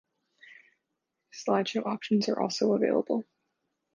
Slideshow options are also available.